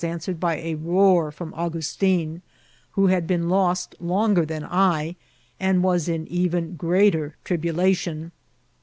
I was auwered by a roar from Augustin, who had been lost longer than I, and was in even greateir trib* Illation.